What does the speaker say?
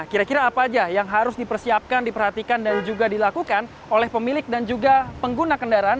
kira kira apa aja yang harus dipersiapkan diperhatikan dan juga dilakukan oleh pemilik dan juga pengguna kendaraan